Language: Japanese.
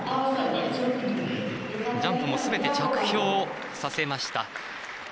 ジャンプもすべて着氷させました。